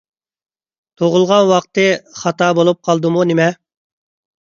تۇغۇلغان ۋاقتى خاتا بولۇپ قالدىمۇ نېمە؟